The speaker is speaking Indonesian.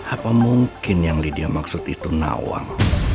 apa mungkin yang lydia maksud itu nawang